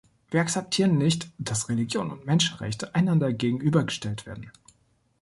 Wir akzeptieren nicht, dass Religion und Menschenrechte einander gegenübergestellt werden.